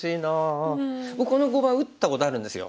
僕この碁盤打ったことあるんですよ。